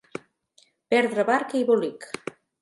Perdre barca i bolig.